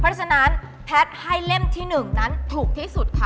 เพราะฉะนั้นแพทย์ให้เล่มที่๑นั้นถูกที่สุดค่ะ